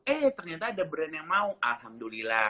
eh ternyata ada brand yang mau alhamdulillah